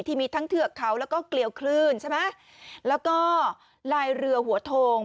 ที่มีทั้งเทือกเขาแล้วก็เกลียวคลื่นใช่ไหมแล้วก็ลายเรือหัวโทง